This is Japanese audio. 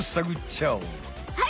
はい！